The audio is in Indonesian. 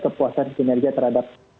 kepuasan kinerja terhadap